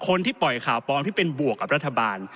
คนที่ปล่อยข่าวปลอมที่เป็นบวกกับรัฐบาล